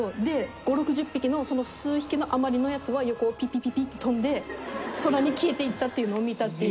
５０６０匹の数匹の余りのやつは横をピピピピって飛んで空に消えていったっていうのを見たっていう。